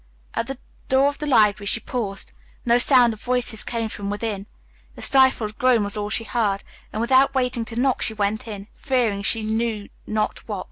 At the door of the library she paused. No sound of voices came from within; a stifled groan was all she heard; and without waiting to knock she went in, fearing she knew not what.